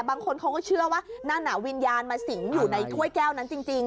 บางคนเขาก็เชื่อว่านั่นวิญญาณมาสิงอยู่ในถ้วยแก้วนั้นจริง